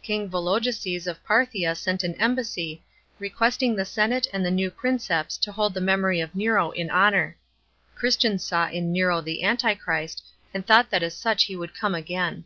King Vologeses of Parthia sent an embassy, requesting the senate and the new Princeps to hold the memory of Nero in honour. Christians saw in Nero the Antichrist, and thought that as such he would come again.